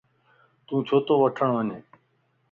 تون ڇو تو وٺڻ وڃين؟